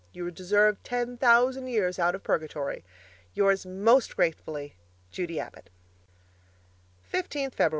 You deserve ten thousand years out of purgatory. Yours most gratefully, Judy Abbott 15th Feb.